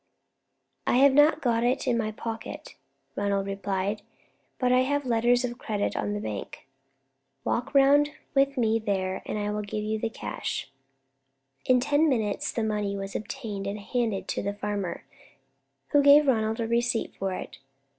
"I have not got it in my pocket," Ronald replied, "but I have letters of credit on the bank. Walk round with me there, and I will give you the cash." In ten minutes the money was obtained and handed to the farmer, who gave Ronald a receipt for it.